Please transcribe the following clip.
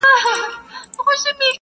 • د جنګ لور ته یې آس هی کړ نازولی -